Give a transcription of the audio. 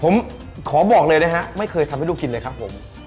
ผมขอบอกเลยนะฮะไม่เคยทำให้ลูกกินเลยครับผม